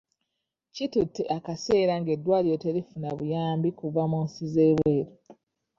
Kitutte akaseera ng'eddwaliro terifuna buyambi kuva mu nsi z'ebweru.